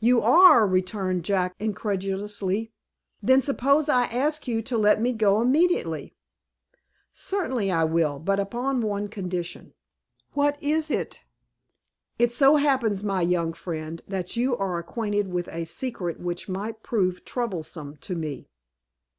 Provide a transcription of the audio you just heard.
"You are?" returned Jack, incredulously. "Then suppose I ask you to let me go immediately." "Certainly, I will; but upon one condition." "What is it?" "It so happens, my young friend, that you are acquainted with a secret which might prove troublesome to me."